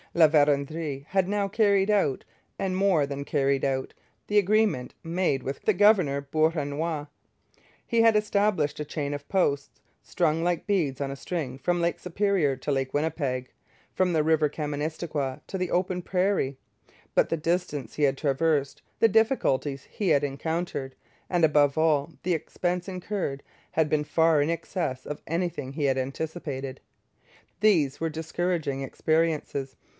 La Vérendrye had now carried out, and more than carried out, the agreement made with the governor Beauharnois. He had established a chain of posts strung like beads on a string from Lake Superior to Lake Winnipeg, from the river Kaministikwia to the open prairie. But the distance he had traversed, the difficulties he had encountered, and, above all, the expense incurred, had been far in excess of anything he had anticipated. These were discouraging experiences.